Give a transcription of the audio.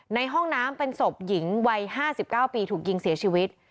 ในห้องน้ำเป็นศพหญิงวัย๕๙ปีถูกยิงเสียชีวิต